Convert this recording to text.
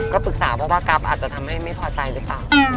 ก็ปรึกษาเพราะว่ากราฟอาจจะทำให้ไม่พอใจหรือเปล่า